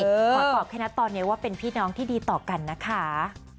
ขอตอบแค่นั้นตอนนี้ว่าเป็นพี่น้องที่ดีต่อกันนะคะ